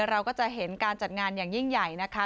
เราก็จะเห็นการจัดงานอย่างยิ่งใหญ่นะคะ